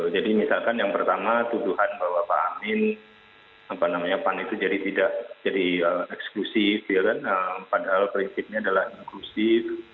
jadi misalkan yang pertama tuduhan bahwa pan itu tidak eksklusif padahal prinsipnya adalah inklusif